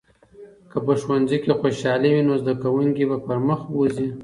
که په ښوونځي کې خوشالي وي، نو زده کوونکي به پرمخ بوځي.